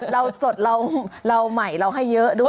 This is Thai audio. เราสดเราใหม่เราให้เยอะด้วย